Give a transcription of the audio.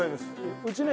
うちね